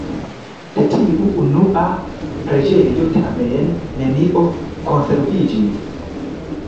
De tiu unua preĝejo tamen nenio konserviĝis.